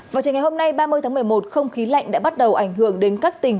vào trường ngày hôm nay ba mươi tháng một mươi một không khí lạnh đã bắt đầu ảnh hưởng đến các tỉnh